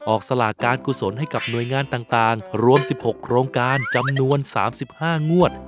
สลากการกุศลให้กับหน่วยงานต่างรวม๑๖โครงการจำนวน๓๕งวด